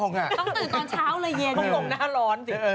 ต้องตื่นตอนเช้าเลยเย็นต้องงงหน้าร้อนสิ